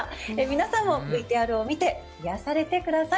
皆さんもＶＴＲを見て、癒やされてください。